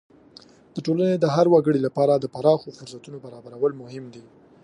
د ټولنې د هر وګړي لپاره د پراخو فرصتونو برابرول مهم دي.